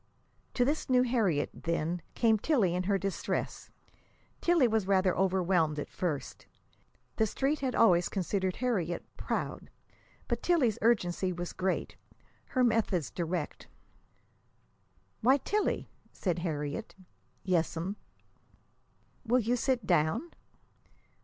To this new Harriet, then, came Tillie in her distress. Tillie was rather overwhelmed at first. The Street had always considered Harriet "proud." But Tillie's urgency was great, her methods direct. "Why, Tillie!" said Harriet. "Yes'm." "Will you sit down?"